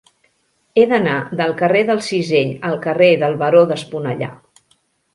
He d'anar del carrer del Cisell al carrer del Baró d'Esponellà.